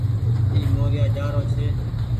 اي موريآ جآ رو ڇي۔